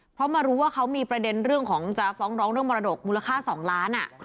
เพราะมารู้ว่ามีประเด็นมรดกมูลค่า๒ล้านอ่ะ